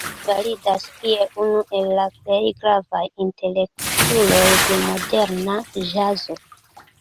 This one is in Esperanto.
Li validas kiel unu el la plej gravaj intelektuloj de moderna ĵazo.